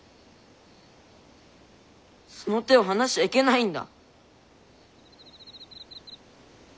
その手を離しちゃいけないんだ。